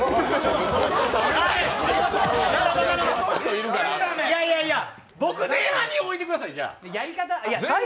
いやいやいや、僕前半に置いてください。